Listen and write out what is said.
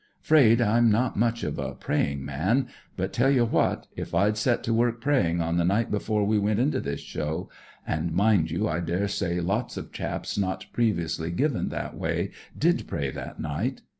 Traid I*m not much of a praying man ; but, tell you what, if I*d set to work praying on the night before we went into this show— and, mind you, I daresay lots of chapp not previously given that way did pray that night.